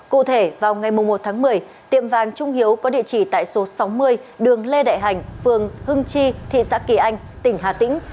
cụ thể vào ngày một tháng một mươi tiệm vàng trung hiếu có địa chỉ tại số sáu mươi đường lê đại hành phường hưng chi thị xã kỳ anh tỉnh hà tĩnh